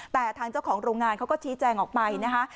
แต่ทางเจ้าของโรงงานเขาก็ชี้แจงออกไปนะคะ